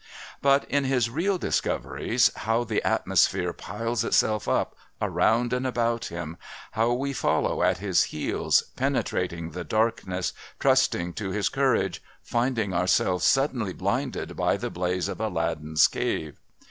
But, in his real discoveries, how the atmosphere piles itself up, around and about him, how we follow at his heels, penetrating the darkness, trusting to his courage, finding ourselves suddenly blinded by the blaze of Aladdin's cave!